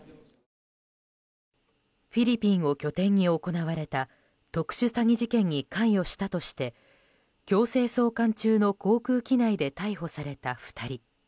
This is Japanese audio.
フィリピンを拠点に行われた特殊詐欺事件に関与したとして強制送還中の航空機内で逮捕された２人。